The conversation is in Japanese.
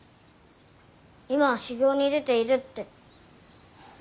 今は修行に出ているって。